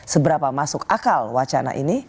seberapa masuk akal wacana ini